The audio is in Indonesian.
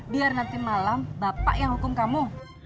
biar nanti malam bapak yang hukum kamu